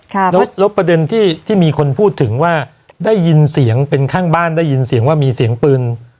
แล้วแล้วประเด็นที่ที่มีคนพูดถึงว่าได้ยินเสียงเป็นข้างบ้านได้ยินเสียงว่ามีเสียงปืน